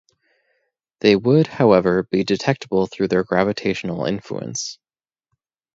They would, however, be detectable through their gravitational influence.